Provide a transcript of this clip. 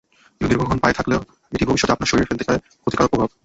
কিন্তু দীর্ঘক্ষণ পায়ে থাকলে এটিও ভবিষ্যতে আপনার শরীরে ফেলতে পারে ক্ষতিকর প্রভাব।